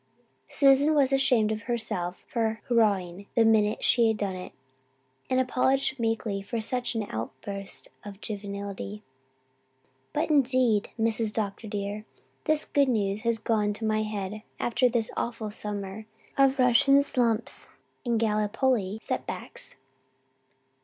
Susan was ashamed of herself for hurrahing the minute she had done it, and apologized meekly for such an outburst of juvenility. "But indeed, Mrs. Dr. dear, this good news has gone to my head after this awful summer of Russian slumps and Gallipoli setbacks."